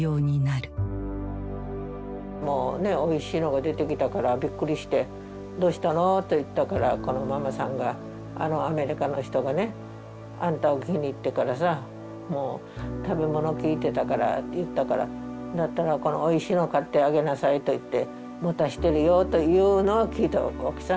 もうねおいしいのが出てきたからびっくりして「どうしたの？」って言ったからこのママさんが「あのアメリカの人がねあんたを気に入ってからさもう食べ物聞いてたから言ったから『だったらこのおいしいのを買ってあげなさい』と言って持たしてるよ」というのを聞いたわけさ。